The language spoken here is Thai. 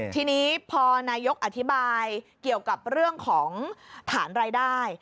ทีนี้พอนายกอธิบายเกี่ยวกับเรื่องของฐานรายได้